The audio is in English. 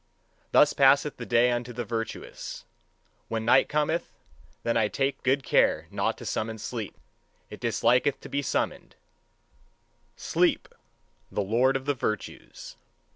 Thus passeth the day unto the virtuous. When night cometh, then take I good care not to summon sleep. It disliketh to be summoned sleep, the lord of the virtues!